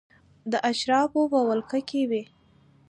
د اشرافو په ولکه کې وې.